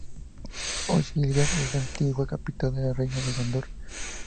Osgiliath es la antigua capital del reino de Gondor.